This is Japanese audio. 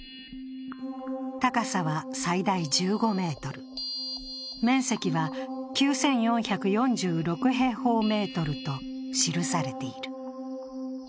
高さは最大１５ｍ、面積は９４４６平方メートルと記されている。